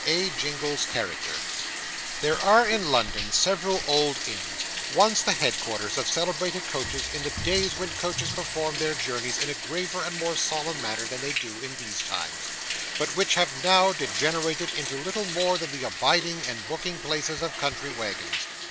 A. JINGLE'S CHARACTER There are in London several old inns, once the headquarters of celebrated coaches in the days when coaches performed their journeys in a graver and more solemn manner than they do in these times; but which have now degenerated into little more than the abiding and booking places of country wagons.